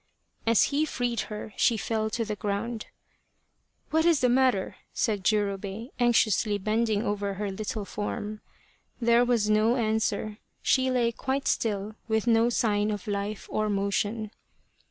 As he freed her she fell to the ground. " What is the matter ?" said Jurobei, anxiously bending over her little form. There was no answer. She lay quite still with no sign of life or motion.